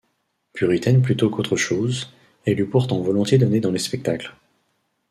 Puritaine plutôt qu’autre chose, elle eût pourtant volontiers donné dans les spectacles.